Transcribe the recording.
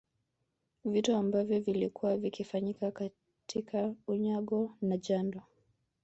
Vitu ambavyo vilikuwa vikifanyika katika unyago na jando